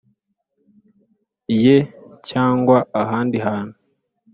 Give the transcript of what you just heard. Ye cyangwa ahandi hantu